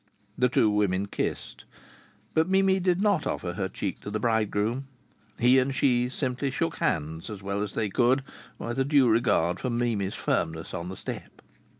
The two women kissed. But Mimi did not offer her cheek to the bridegroom. He and she simply shook hands as well as they could with a due regard for Mimi's firmness on the step.